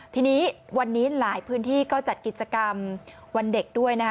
ทีนี้วันนี้หลายพื้นที่ก็จัดกิจกรรมวันเด็กด้วยนะคะ